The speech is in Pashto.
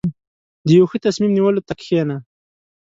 • د یو ښه تصمیم نیولو ته کښېنه.